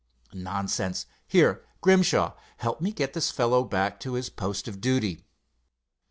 "Nonsense! Here, Grimshaw, help me get this fellow back to his post of duty."